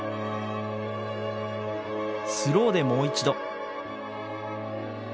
スローでもう一度。